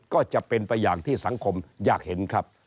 ก็จะเป็นไปอย่างที่สังคมอยากเห็นครับ